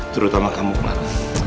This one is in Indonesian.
terutama kamu mak